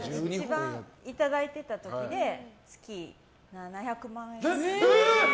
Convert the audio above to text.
一番いただいていた時で月７００万円くらい。